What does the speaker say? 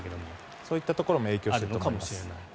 そういったところも影響してるのかもしれないです。